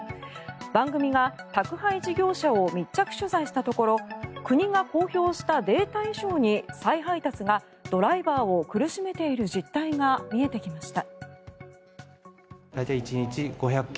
番組が宅配事業者を密着取材したところ国が公表したデータ以上に再配達がドライバーを苦しめている実態が見えてきました。